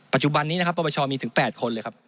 ปัจจุบันนี้นะครับปรปชมีถึง๘คนเลยครับ